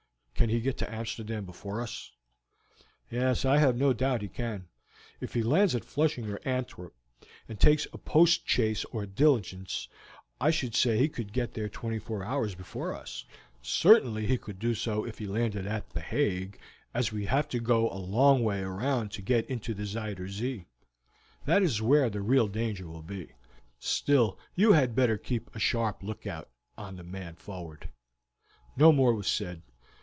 Can he get to Amsterdam before us?" "Yes, I have no doubt he can; if he lands at Flushing or Antwerp, and takes a post chaise or a diligence, I should say he could get there twenty four hours before us. Certainly he could do so if he landed at The Hague, as we have to go a long way round to get into the Zuyder Zee. That is where the real danger will be; still you had better keep a sharp lookout on the man forward." No more was said.